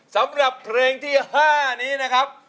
สำหรับเพลงที่๕นี้นะครับ